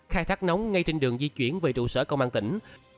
khai thác nóng ngay trên đường di chuyển về trụ sở công an tỉnh